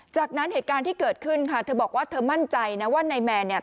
จากนั้นเหตุการณ์ที่เกิดขึ้นค่ะเธอบอกว่าเธอมั่นใจนะว่านายแมนเนี่ย